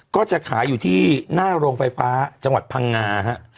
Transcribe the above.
ก็จะขายอยู่ที่หน้าโรงไฟฟ้าจังหวัดพังงาฮะ